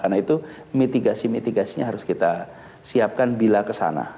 karena itu mitigasi mitigasinya harus kita siapkan bila kesana